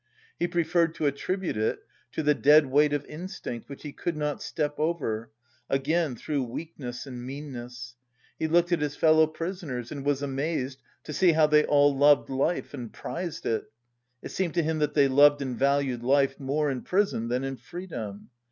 He preferred to attribute it to the dead weight of instinct which he could not step over, again through weakness and meanness. He looked at his fellow prisoners and was amazed to see how they all loved life and prized it. It seemed to him that they loved and valued life more in prison than in freedom.